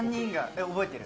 覚えてる？